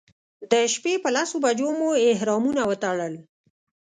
د شپې په لسو بجو مو احرامونه وتړل.